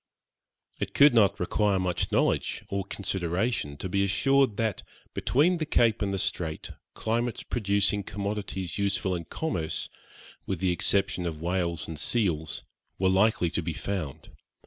It could not require much knowledge or consideration to be assured that, between the Cape and the Strait, climates producing commodities useful in commerce, with the exception of whales and seals, were likely to be found.